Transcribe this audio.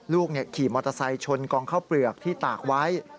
ขี่มอเตอร์ไซค์ชนกองข้าวเปลือกที่ตากไว้